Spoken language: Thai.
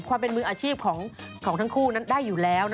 ความเป็นมืออาชีพของทั้งคู่นั้นได้อยู่แล้ว